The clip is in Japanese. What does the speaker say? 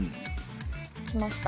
きました。